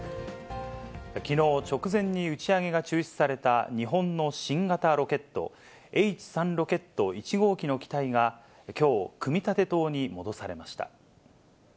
きのう、直前に打ち上げが中止された、日本の新型ロケット、Ｈ３ロケット１号機の機体が、きょう、組み立て棟に戻されました。